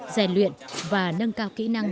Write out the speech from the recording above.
giải luyện và nâng cao kỹ năng